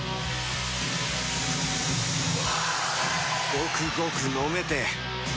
ゴクゴク飲めて